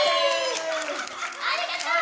ありがとう！